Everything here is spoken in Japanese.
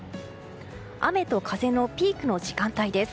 雨と風のピークの時間帯です。